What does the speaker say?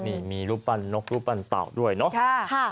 นี่มีลูปปันนกลูปปันเปล่าด้วยเนอะค่ะ